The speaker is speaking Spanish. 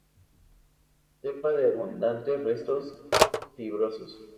Cepa con abundantes restos fibrosos.